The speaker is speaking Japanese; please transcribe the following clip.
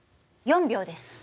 ４秒です。